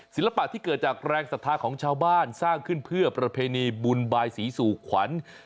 ศิลปะที่เกิดจากแรงศรัทธาของชาวบ้านสร้างขึ้นเพื่อประเพณีบุญบายศรีสู่ขวัญ